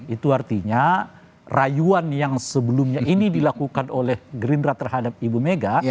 itu artinya rayuan yang sebelumnya ini dilakukan oleh gerindra terhadap ibu mega